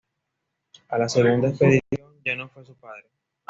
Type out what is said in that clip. A la segunda expedición ya no fue su padre.